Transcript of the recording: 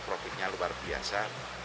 profitnya luar biasa